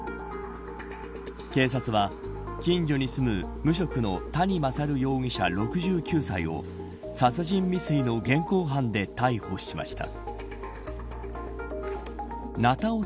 警察は、近所に住む無職の谷勝容疑者６９歳を殺人未遂の現行犯で逮捕しました。